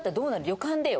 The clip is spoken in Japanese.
旅館でよ？